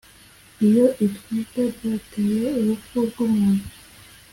Iyo itwika ryateye urupfu rw umuntu